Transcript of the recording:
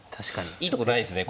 いいとこないですね